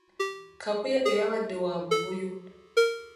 Kakuyege yabadde wa buvuyo.